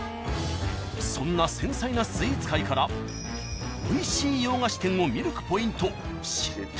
［そんな繊細なスイーツ界からおいしい洋菓子店を見抜くポイント知っていますか？］